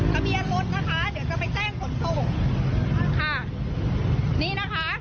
ทะเบียนรถนะคะเดี๋ยวจะไปแจ้งผลส่ง